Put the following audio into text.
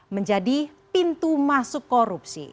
menjadi pintu masuk korupsi